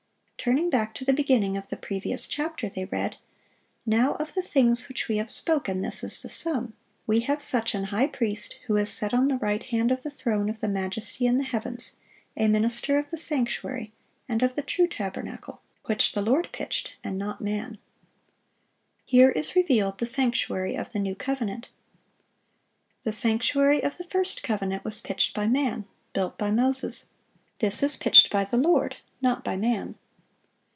Turning back to the beginning of the previous chapter, they read: "Now of the things which we have spoken this is the sum: We have such an high priest, who is set on the right hand of the throne of the Majesty in the heavens; a minister of the sanctuary, and of the true tabernacle, which the Lord pitched, and not man."(670) Here is revealed the sanctuary of the new covenant. The sanctuary of the first covenant was pitched by man, built by Moses; this is pitched by the Lord, not by man.